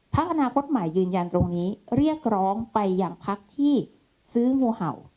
พักอนาคตใหม่ยืนยันตรงนี้เรียกร้องไปอย่างพักที่ซื้องูเห่า